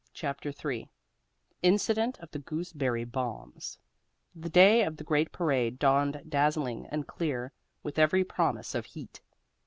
CHAPTER III INCIDENT OF THE GOOSEBERRY BOMBS The day of the great parade dawned dazzling and clear, with every promise of heat.